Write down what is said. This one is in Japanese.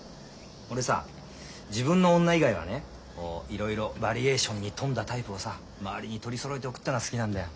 俺さ自分の女以外はねこういろいろバリエーションに富んだタイプをさ周りに取りそろえておくってのが好きなんだよ。